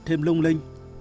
thêm lung linh